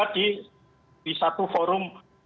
di satu forum